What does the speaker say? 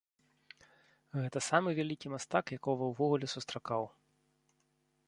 Гэта самы вялікі мастак, якога я ўвогуле сустракаў.